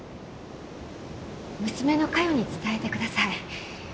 娘の嘉代に伝えてください。